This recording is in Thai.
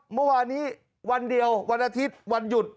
เมื่อวานนี้วันเดียววันอาทิตย์วันหยุด